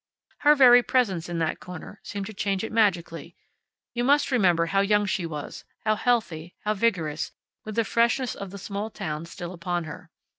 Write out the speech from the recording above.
Her very presence in that corner seemed to change it magically. You must remember how young she was, how healthy, how vigorous, with the freshness of the small town still upon her.